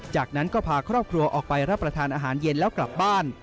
จากนั้นก็พาครอบครัวออกไปรับประทานอาหารเย็นแล้วกลับบ้าน